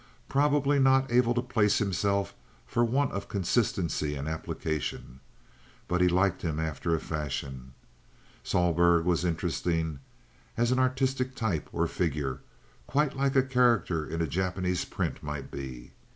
"Probably not able to place himself for want of consistency and application." But he liked him after a fashion. Sohlberg was interesting as an artistic type or figure—quite like a character in a Japanese print might be.